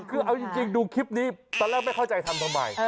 คือเอาจริงดูคลิปนี้ตอนแรกไม่เข้าใจทำทำไม